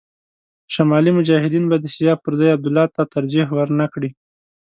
شمالي مجاهدین به د سیاف پر ځای عبدالله ته ترجېح ور نه کړي.